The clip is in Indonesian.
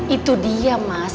itu dia mas